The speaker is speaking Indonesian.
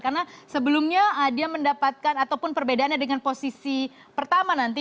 karena sebelumnya dia mendapatkan ataupun perbedaannya dengan posisi pertama nanti